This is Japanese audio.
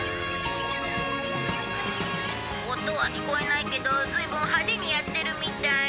音は聞こえないけどずいぶん派手にやってるみたい。